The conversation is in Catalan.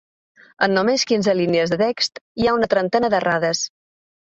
En només quinze línies de text hi ha una trentena d’errades.